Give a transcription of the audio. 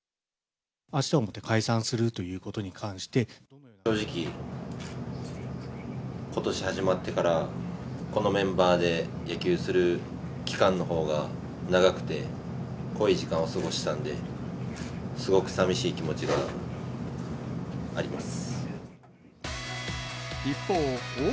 あしたをもって解散するとい正直、ことし始まってから、このメンバーで野球する期間のほうが長くて、濃い時間を過ごしたんで、すごくさみしい気持ちがあります。